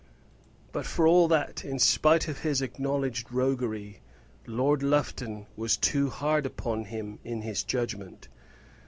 But, for all that, in spite of his acknowledged roguery, Lord Lufton was too hard upon him in his judgment.